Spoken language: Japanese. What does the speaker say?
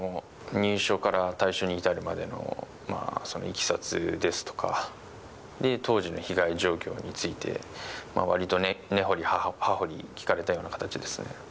入所から退所に至るまでのそのいきさつですとか、当時の被害状況について、わりと根掘り葉掘り聞かれたような形ですね。